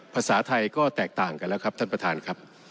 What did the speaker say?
ภาษาไทยก็แตกต่างกันแล้วครับท่านประธานครับ